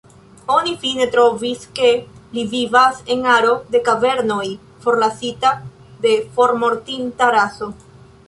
Oni fine trovis ke li vivas en aro de kavernoj, forlasita de formortinta raso.